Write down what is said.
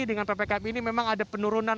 dengan ppkm ini memang ada penurunan